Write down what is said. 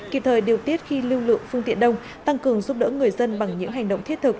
kịp thời điều tiết khi lưu lượng phương tiện đông tăng cường giúp đỡ người dân bằng những hành động thiết thực